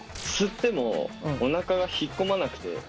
吸ってもおなかが引っ込まなくて。